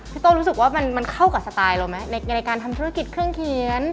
โต้รู้สึกว่ามันเข้ากับสไตล์เราไหมในการทำธุรกิจเครื่องเขียน